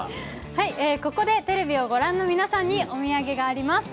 ここでテレビをご覧の皆さんにお土産があります。